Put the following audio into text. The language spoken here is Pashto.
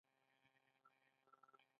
سږکال د وچکالۍ کال دی او سخت ورباندې تېر شوی.